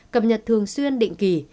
cập nhật thường xuyên định kỳ